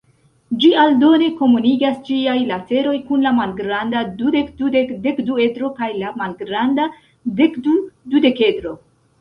Ĝi aldone komunigas ĝiaj lateroj kun la malgranda dudek-dudek-dekduedro kaj la malgranda dekdu-dudekedro.